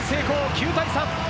９対３。